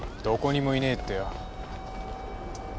どこにもいねえってよ。